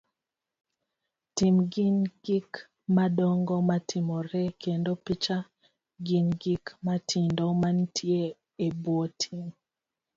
Tim gin gik madongo matimore, kendo picha gin gik matindo mantie ebwo tim.